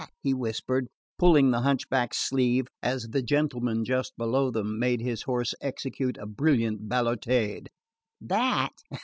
he whispered, pulling the hunchback's sleeve, as the gentleman, just below them, made his horse execute a brilliant balotade. "That?